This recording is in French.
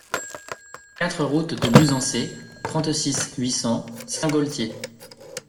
quatre route de Buzançais, trente-six, huit cents, Saint-Gaultier